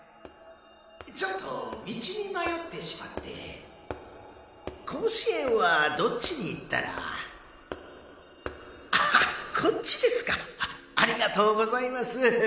ちょっと道に迷ってしまって甲子園はどっちに行ったらあこっちですかありがとうございます。